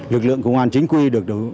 lực lượng công an chính quyền